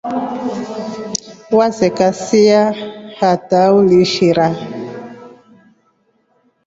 Waseka siya hata uliishira.